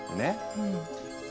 うん。